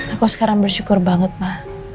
aku sekarang bersyukur banget mah